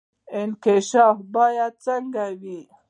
انکشاف باید څنګه وي؟